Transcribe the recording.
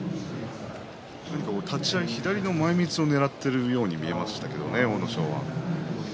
立ち合い左の前みつをねらっているように見えましたね、阿武咲は。